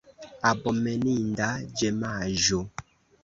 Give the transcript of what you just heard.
Abomeninda ĝenaĵo!